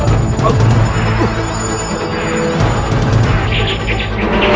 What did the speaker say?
tapi kau berani tonggak di depanku